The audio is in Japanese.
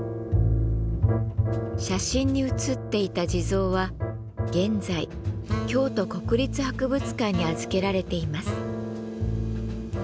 写真に写っていた地蔵は現在京都国立博物館に預けられています。